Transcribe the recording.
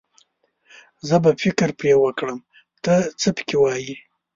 زه به فکر پرې وکړم، ته څه پکې وايې.